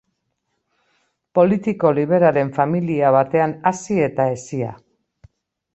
Politiko liberalen familia batean hazi eta hezia.